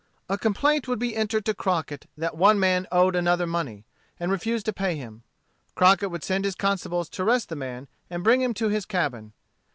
A complaint would be entered to Crockett that one man owed another money and refused to pay him. Crockett would send his constables to arrest the man, and bring him to his cabin.